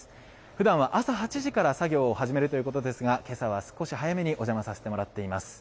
ふだんは朝８時から作業を始めるということですが、けさは少し早めにお邪魔させてもらっています。